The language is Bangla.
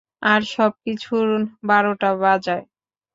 আর সবকিছুর বারোটা বাজায়।